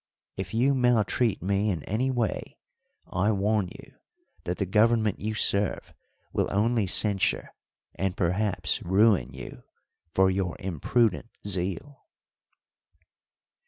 If you maltreat me in any way, I warn you that the government you serve will only censure, and perhaps ruin you, for your imprudent zeal."